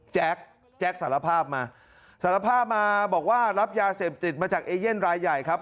แจ๊กสารภาพมาสารภาพมาบอกว่ารับยาเสพติดมาจากเอเย่นรายใหญ่ครับ